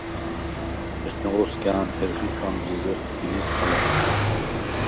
ეჩუნღო სგა̄̈მჰერხ ი ჩუ̂ამზჷზეხ თბილის ქალა̈ქთე.